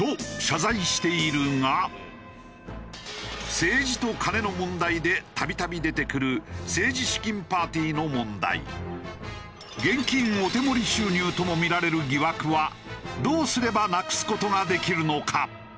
政治とカネの問題で度々出てくる現金お手盛り収入ともみられる疑惑はどうすればなくす事ができるのか？